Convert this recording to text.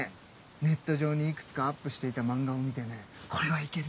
ネット上にいくつかアップしていた漫画を見てねこれは行ける！